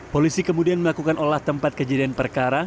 polisi kemudian melakukan olah tempat kejadian perkara